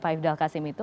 pak ifdal qasim itu